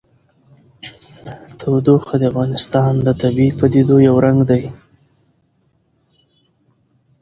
تودوخه د افغانستان د طبیعي پدیدو یو رنګ دی.